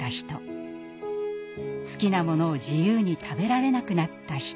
好きなものを自由に食べられなくなった人。